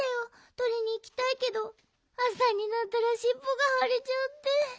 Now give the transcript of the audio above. とりにいきたいけどあさになったらしっぽがはれちゃって。